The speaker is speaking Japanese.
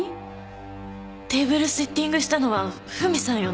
テーブルセッティングしたのはフミさんよね？